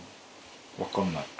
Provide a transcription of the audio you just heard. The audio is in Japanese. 分かんない。